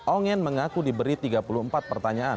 ongen mengaku diberi tiga puluh empat pertanyaan